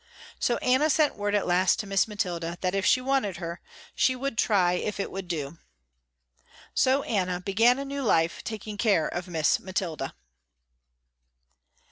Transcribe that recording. So Anna sent word at last to Miss Mathilda, that if she wanted her, she would try if it would do. So Anna began a new life taking care of Miss Mathilda.